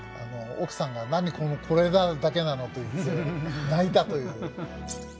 奥さんが「何このこれだけなの」と言って泣いたという。